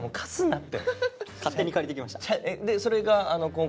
勝手に借りてきました。